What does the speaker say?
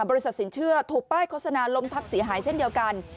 สินเชื่อถูกป้ายโฆษณาล้มทับเสียหายเช่นเดียวกัน